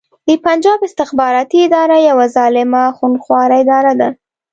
د پنجاب استخباراتې اداره يوه ظالمه خونښواره اداره ده